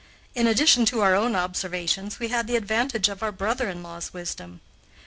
In addition to our own observations, we had the advantage of our brother in law's wisdom.